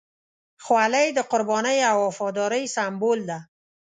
خولۍ د قربانۍ او وفادارۍ سمبول ده.